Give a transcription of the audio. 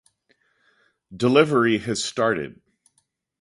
Delivery has started.